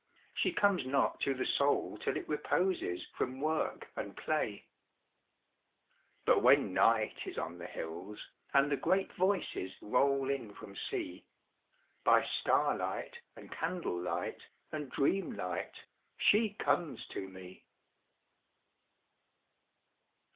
She comes not to the Soul till it reposes From work and play. But when Night is on the hills, and the great Voices Roll in from Sea, By starlight and candle light and dreamlight She comes to me.